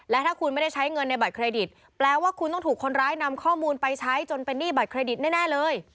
และถ้าคุณไม่ได้ใช้เงินในบัตรเครดิตแปลว่าคุณต้องถูกคนร้ายนำข้อมูลไปใช้จนเป็นหนี้บัตรเครดิตแน่เลย